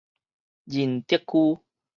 仁德區